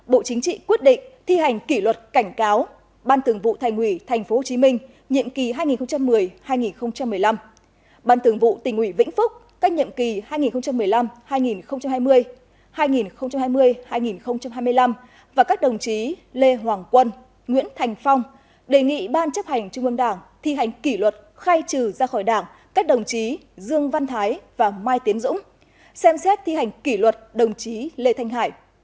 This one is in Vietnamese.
bộ chính trị quyết định thi hành kỷ luật cảnh cáo ban tưởng vụ thành ủy tp hcm nhiệm kỳ hai nghìn một mươi hai nghìn một mươi năm ban tưởng vụ tỉnh ủy vĩnh phúc các nhiệm kỳ hai nghìn một mươi năm hai nghìn hai mươi hai nghìn hai mươi hai nghìn hai mươi năm và các đồng chí lê hoàng quân nguyễn thành phong đề nghị ban chấp hành trung ương đảng thi hành kỷ luật khai trừ ra khỏi đảng các đồng chí dương văn thái và mai tiến dũng xem xét thi hành kỷ luật đồng chí lê thanh hải